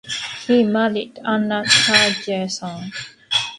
He married Anna Tergersen.